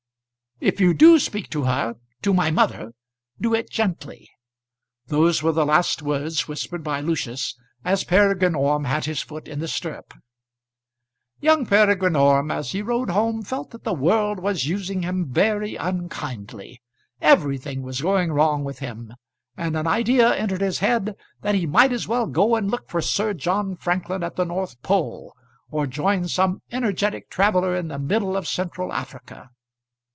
"If you do speak to her, to my mother, do it gently." Those were the last words whispered by Lucius as Peregrine Orme had his foot in the stirrup. Young Peregrine Orme, as he rode home, felt that the world was using him very unkindly. Everything was going wrong with him, and an idea entered his head that he might as well go and look for Sir John Franklin at the North Pole, or join some energetic traveller in the middle of Central Africa.